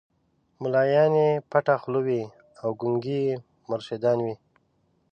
مُلایان یې پټه خوله وي او ګونګي یې مرشدان وي